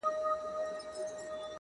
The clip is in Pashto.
د نیت پاکوالی عمل ته معنا ورکوي،